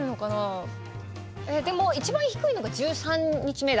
でも一番低いのが１３日目だ。